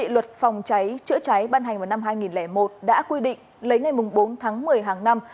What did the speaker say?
luật phòng cháy chữa cháy ban hành vào năm hai nghìn một đã quy định lấy ngày bốn tháng một mươi hàng năm